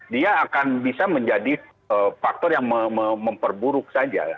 dia akan bisa menjadi faktor yang memperburuk saja